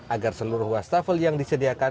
agar seluruh wastafel yang disediakan